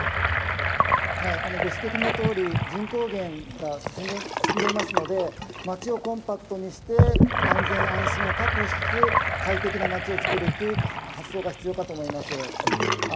ご指摘のとおり人口減が進んでいますので街をコンパクトにして安全安心を確保しつつ快適な街を作るっていう発想が必要かと思います。